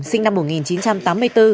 sinh năm một nghìn chín trăm tám mươi bốn